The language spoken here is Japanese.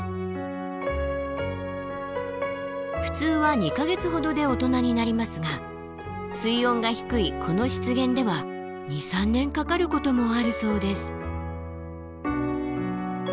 普通は２か月ほどで大人になりますが水温が低いこの湿原では２３年かかることもあるそうです。